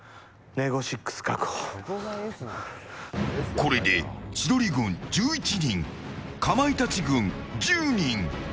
これで千鳥軍１１人かまいたち軍１０人。